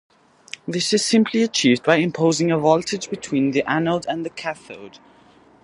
This is simply achieved by imposing a voltage between the anode and cathode.